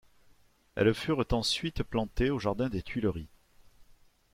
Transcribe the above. Elles furent ensuite plantées au jardin des Tuileries.